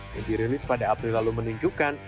yang dirilis pada april lalu menunjukkan